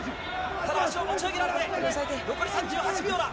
ただ、足を持ち上げられて残り３８秒だ。